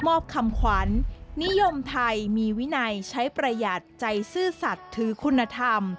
คำขวัญนิยมไทยมีวินัยใช้ประหยัดใจซื่อสัตว์ถือคุณธรรม